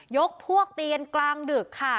ยกพวกเตียนกลางดึกค่ะ